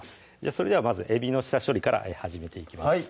それではまずえびの下処理から始めていきます